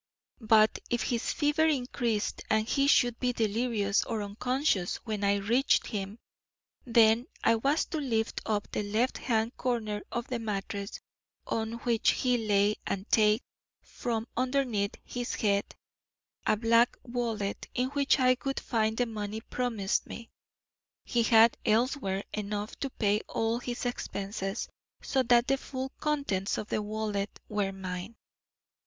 But if his fever increased and he should be delirious or unconscious when I reached him, then I was to lift up the left hand corner of the mattress on which he lay and take from underneath his head a black wallet in which I would find the money promised me. He had elsewhere enough to pay all his expenses, so that the full contents of the wallet were mine.